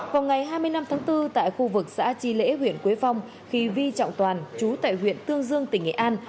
vào ngày hai mươi năm tháng bốn tại khu vực xã chi lễ huyện quế phong khi vi trọng toàn chú tại huyện tương dương tỉnh nghệ an